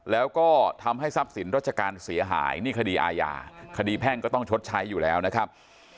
แล้วก็ทำให้ทรัพย์สินราชการเสียหายนี่คดีอาญาคดีแพ่งก็ต้องชดใช้อยู่แล้วนะครับ